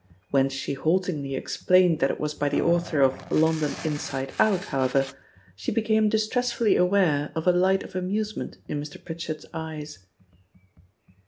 When she haltingly ex plained that it was by the author of London In side Out, however, she became distressfully aware of a light of amusement in Mr. Pritchard's eyea.